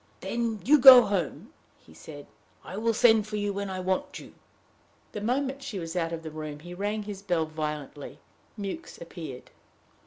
"Then you go home," he said. "I will send for you when I want you." The moment she was out of the room, he rang his bell violently. Mewks appeared.